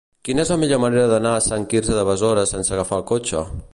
Quina és la millor manera d'anar a Sant Quirze de Besora sense agafar el cotxe?